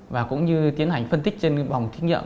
và cũng như tiến hành phân tích trên bòng thí nghiệm